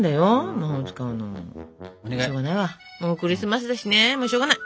もうクリスマスだしねもうしょうがない。